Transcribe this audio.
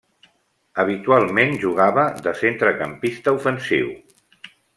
Habitualment jugava de centrecampista ofensiu.